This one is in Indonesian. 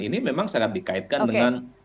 ini memang sangat dikaitkan dengan